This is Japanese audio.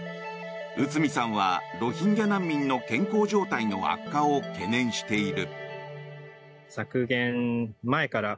内海さんは、ロヒンギャ難民の健康状態の悪化を懸念している。